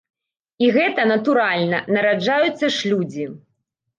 І гэта натуральна, нараджаюцца ж людзі.